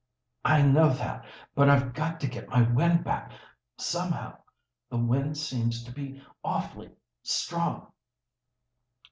"I know that, but I've got to get my wind back somehow. The wind seems to be awfully strong."